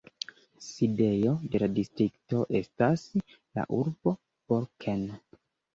Sidejo de la distrikto estas la urbo Borken.